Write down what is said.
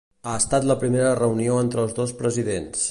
Ha estat la primera reunió entre els dos presidents.